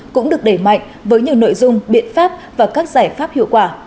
cũng được đẩy mạnh với nhiều nội dung biện pháp và các giải pháp hiệu quả